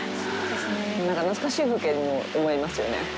なんか懐かしい風景にも思えますよね。